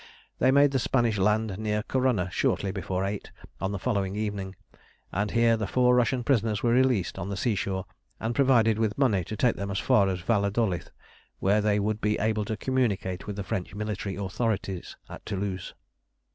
They made the Spanish land near Corunna shortly before eight on the following evening, and here the four Russian prisoners were released on the sea shore and provided with money to take them as far as Valladolid, whence they would be able to communicate with the French military authorities at Toulouse.